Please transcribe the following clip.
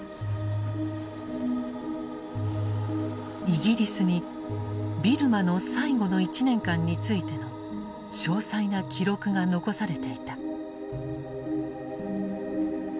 イギリスにビルマの最後の１年間についての詳細な記録が残されていた。